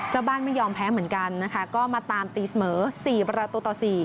บ้านไม่ยอมแพ้เหมือนกันนะคะก็มาตามตีเสมอ๔ประตูต่อ๔